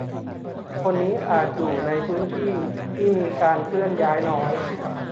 - คนกลุ่มนี้อาจอยู่ในพื้นที่ที่มีการเคลื่อนย้ายน้อย